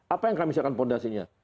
apa yang kami siapkan fondasinya